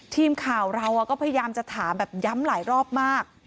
ทีมข่าวเราก็พยายามจะถามแบบย้ำหลายรอบมาก